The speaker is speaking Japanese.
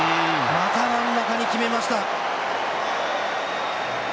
また真ん中に決めました。